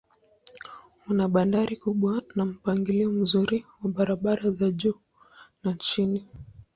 Una bandari kubwa na mpangilio mzuri wa barabara za juu na chini.